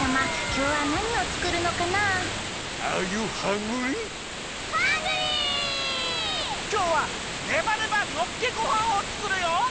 きょうはねばねばのっけごはんをつくるよ！